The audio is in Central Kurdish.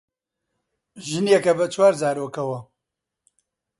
ژنێکە بە چوار زارۆکەوە